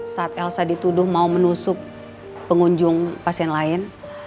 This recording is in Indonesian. saat elsa dituduh mau menusuk pengunjung pasien lain